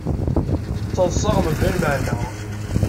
Ttaḍṣaɣ mebla lmeεna.